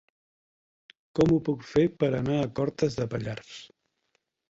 Com ho puc fer per anar a Cortes de Pallars?